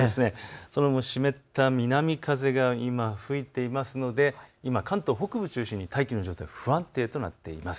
その後、湿った南風が今、吹いていますので関東北部を中心に大気の状態、不安定となっています。